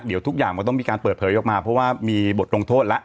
เดี๋ยวทุกอย่างมันต้องมีการเปิดเผยออกมาเพราะว่ามีบทลงโทษแล้ว